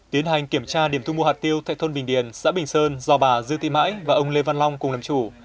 tiến hành kiểm tra điểm thu mua hạt tiêu tại thôn bình điền xã bình sơn do bà dư thị mãi và ông lê văn long cùng làm chủ